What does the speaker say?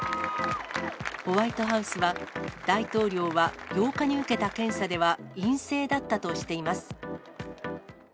ホワイトハウスは、大統領は８日に受けた検査では陰性だったとしています。